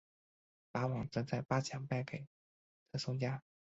法网则在八强败给特松加。